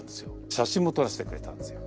写真も撮らせてくれたんですよ。